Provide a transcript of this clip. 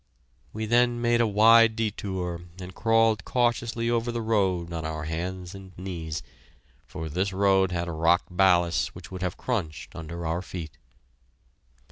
We then made a wide detour and crawled cautiously over the road on our hands and knees, for this road had rock ballast which would have crunched under our feet.